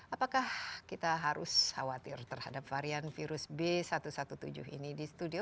apakah kita harus khawatir terhadap varian virus b satu satu tujuh ini di studio